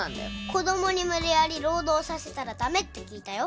子供に無理やり労働させたらダメって聞いたよ